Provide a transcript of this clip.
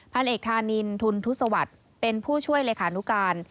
พันเอกธานินทุนทุศวรรค์เป็นผู้ช่วยเลขานุการ